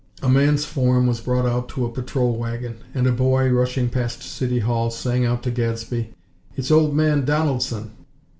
A man's form was brought out to a patrol wagon; and a boy, rushing past City Hall, sang out to Gadsby: "It's Old Man Donaldson!!"